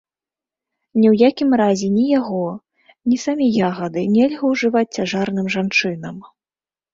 Ні ў якім разе ні яго, ні самі ягады нельга ўжываць цяжарным жанчынам.